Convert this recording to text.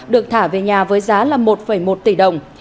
được thả về nhà với giá là một một tỷ đồng